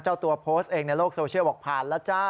เจ้าตัวโพสต์เองในโลกโซเชียลบอกผ่านแล้วจ้า